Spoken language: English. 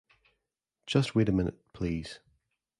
Just wait a minute, please.